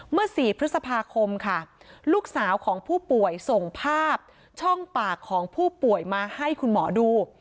๔พฤษภาคมค่ะลูกสาวของผู้ป่วยส่งภาพช่องปากของผู้ป่วยมาให้คุณหมอดู